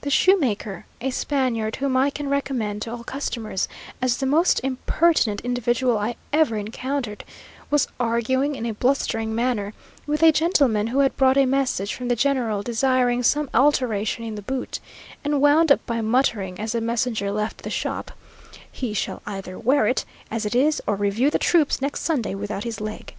The shoemaker, a Spaniard, whom I can recommend to all customers as the most impertinent individual I ever encountered, was arguing, in a blustering manner, with a gentleman who had brought a message from the general, desiring some alteration in the boot: and wound up by muttering, as the messenger left the shop, "He shall either wear it as it is, or review the troops next Sunday without his leg!"